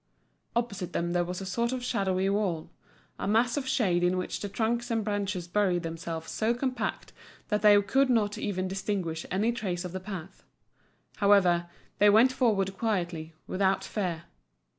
Opposite them there was a sort of shadowy wall, a mass of shade in which the trunks and branches buried themselves so compact that they could not even distinguish any trace of the path. However, they went forward quietly, without fear.